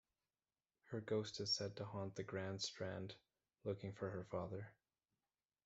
Her ghost is said to haunt the Grand Strand, looking for her father.